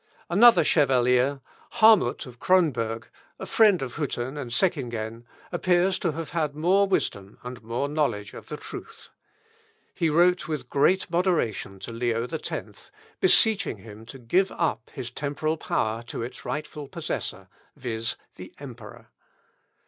Another chevalier, Harmut of Cronberg, a friend of Hütten and Seckingen, appears to have had more wisdom and more knowledge of the truth. He wrote with great moderation to Leo X, beseeching him to give up his temporal power to its rightful possessor, viz., the emperor.